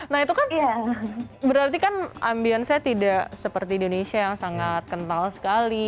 nah itu kan berarti kan ambiensnya tidak seperti indonesia yang sangat kental sekali